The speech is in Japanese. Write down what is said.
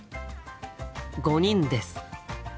５人です。